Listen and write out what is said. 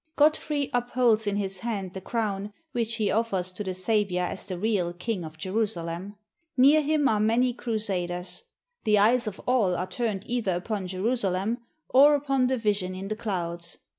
Godfrey upholds in his hand the crown, which he offers to the Saviour as the real King of Jerusalem. Near him are many cru saders. The eyes of all are turned either upon Jerusalem or upon the vision in the clouds.